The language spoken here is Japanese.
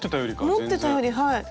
思ってたよりはい。